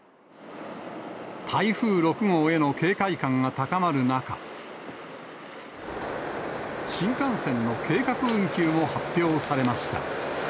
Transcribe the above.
台風６号への警戒感が高まる中、新幹線の計画運休も発表されました。